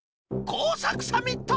こうさくサミット！